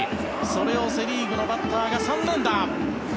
それをセ・リーグのバッターが３連打。